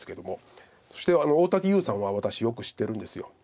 そして大竹優さんは私よく知ってるんです。